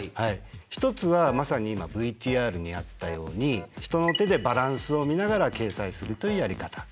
一つはまさに今ＶＴＲにあったように人の手でバランスを見ながら掲載するというやり方。